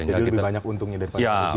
jadi lebih banyak untungnya daripada ruginya